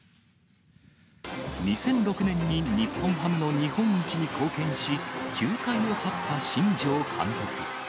２００６年に日本ハムの日本一に貢献し、球界を去った新庄監督。